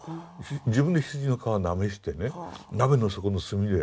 自分で羊の皮なめしてね鍋の底の炭で。